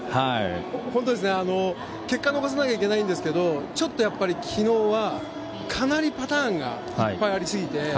本当ですね、結果を残さなきゃいけないんですがちょっと、昨日はかなりパターンがいっぱいありすぎて。